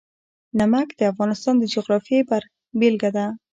نمک د افغانستان د جغرافیې بېلګه ده.